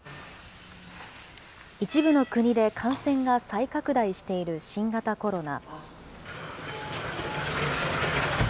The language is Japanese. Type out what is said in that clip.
一部の国で感染が再拡大している新型コロナ。